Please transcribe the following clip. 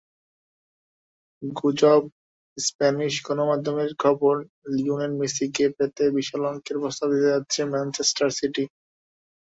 গুজবস্প্যানিশ গণমাধ্যমের খবর, লিওনেল মেসিকে পেতে বিশাল অঙ্কের প্রস্তাব দিতে যাচ্ছে ম্যানচেস্টার সিটি।